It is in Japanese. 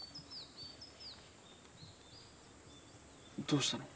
どうしたの？